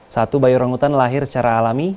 satu bayi orangutan lahir secara alami